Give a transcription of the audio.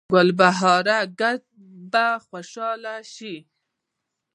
ګلبهاره ګړد به خوشحاله شي